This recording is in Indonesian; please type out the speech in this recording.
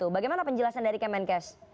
bagaimana penjelasan dari kemenkes